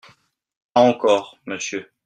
Pas encore, monsieur.